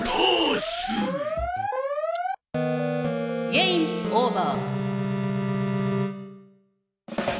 ゲームオーバー。